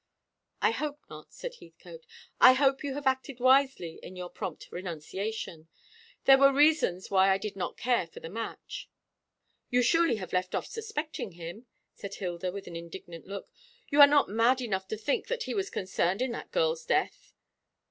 "I hope not," said Heathcote. "I hope you have acted wisely in your prompt renunciation. There were reasons why I did not care for the match." "You surely have left off suspecting him," said Hilda, with an indignant look. "You are not mad enough to think that he was concerned in that girl's death!"